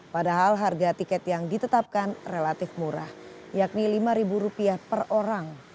padahal harga tiket yang ditetapkan relatif murah yakni rp lima per orang